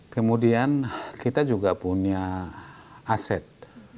kemudian kita juga punya aset